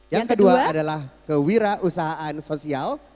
yang kedua adalah kewirausahaan sosial